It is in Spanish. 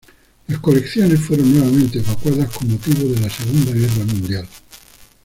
Las colecciones fueron nuevamente evacuadas con motivo de la Segunda Guerra Mundial.